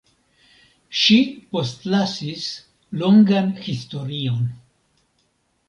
Ŝi postlasis longan historion.